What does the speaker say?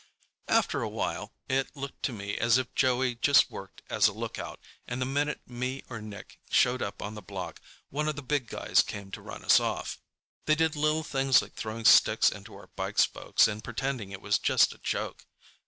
After a while it looked to me as if Joey just worked as a lookout, and the minute me or Nick showed up on the block, one of the big guys came to run us off. They did little things like throwing sticks into our bike spokes and pretending it was just a joke.